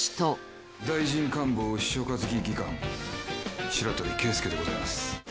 「大臣官房秘書課付技官白鳥圭輔でございます」